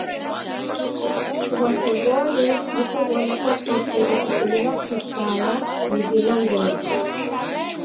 W'asi ghodu ni kuw'ona ofisi rikitumilwa kisaya ni vilongozi.